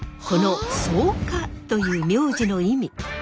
この「左右加」という名字の意味。